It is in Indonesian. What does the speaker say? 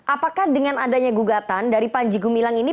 apakah dengan adanya gugatan dari pak anjikubilang ini